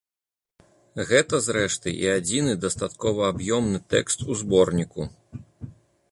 Гэта, зрэшты, і адзіны дастаткова аб'ёмны тэкст у зборніку.